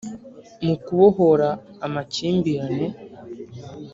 mu kubohora amakimbirane,